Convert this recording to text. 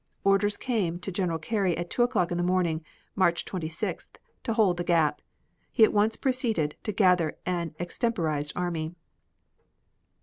Orders came to General Carey at two o'clock in the morning, March 26th, to hold the gap. He at once proceeded to gather an extemporized army.